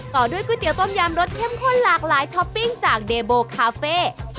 ต่อด้วยก๋วยเตี๋ต้มยำรสเข้มข้นหลากหลายท็อปปิ้งจากเดโบคาเฟ่